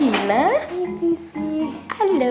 siapa pelaku sih istri lu ga getahuu